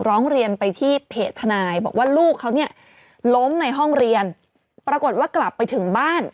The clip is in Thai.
ร้องเรียนไปที่เพจทนายบอกว่าลูกเขาเนี่ยล้มในห้องเรียนปรากฏว่ากลับไปถึงบ้าน